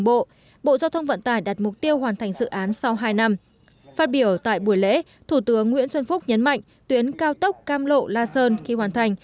phát biểu tại buổi lễ thủ tướng nguyễn xuân phúc nhấn mạnh tuyến cao tốc cam lộ la sơn khi hoàn thành